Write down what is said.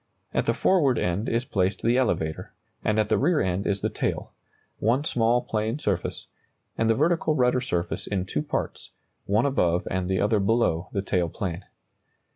At the forward end is placed the elevator, and at the rear end is the tail one small plane surface and the vertical rudder surface in two parts, one above and the other below the tail plane.